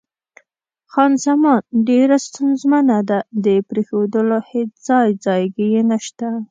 خان زمان: ډېره ستونزمنه ده، د پرېښودلو هېڅ ځای ځایګی یې نشته.